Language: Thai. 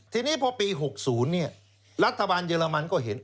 ทีนี้พอปี๖๐รัฐบาลเยอรมันก็เห็น